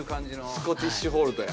スコティッシュ・フォールドや。